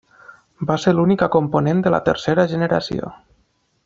Va ser l'única component de la tercera generació.